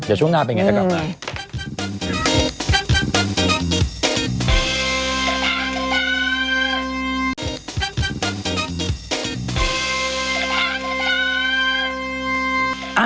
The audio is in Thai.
เดี๋ยวช่วงหน้าเป็นไงจะกลับมา